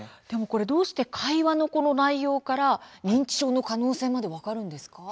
どうして会話の内容から認知症の可能性まで分かるんですか。